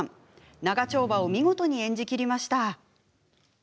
長丁場を見事に演じきりました。